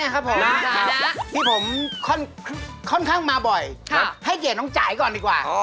คือจ่ายวิเช้าครับ